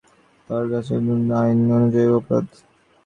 প্রশাসনের কি জানা নেই যে টিলা পাহাড় কাটা পরিবেশ আইন অনুযায়ী অপরাধ?